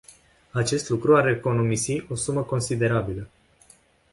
Acest lucru ar economisi o sumă considerabilă.